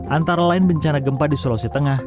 antara lain bencana gempa di sulawesi tengah